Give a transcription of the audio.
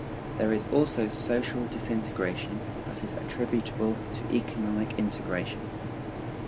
There is also social disintegration that is attributable to economic integration.